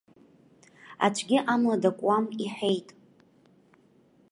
Аӡәгьы амла дакуам иҳәеит.